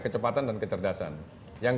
kecepatan dan kecerdasan yang